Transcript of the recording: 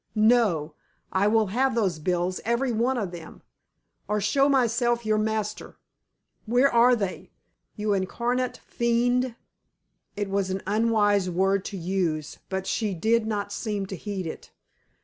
No; I will have those bills, every one of them, or show myself your master. Where are they, you incarnate fiend?" It was an unwise word to use, but she did not seem to heed it.